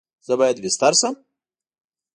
زه باید بیستر سم؟